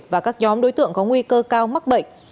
và các nhóm đối tượng có nguy cơ cao mắc bệnh